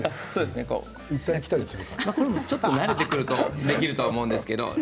ちょっと慣れてくるとできると思うんですけれど。